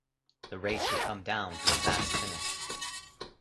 The race would come down to a fast finish.